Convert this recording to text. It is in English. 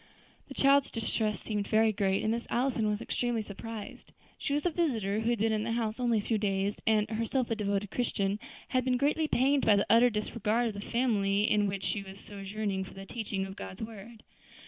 The child's distress seemed very great, and Miss Allison was extremely surprised. She was a visitor who had been in the house only a few days, and, herself a devoted Christian, had been greatly pained by the utter disregard of the family in which she was sojourning for the teachings of God's word.